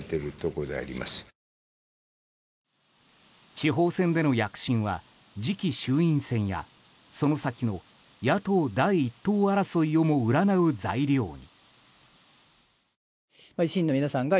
地方選での躍進は次期衆院選やその先の野党第１党争いをも占う材料に。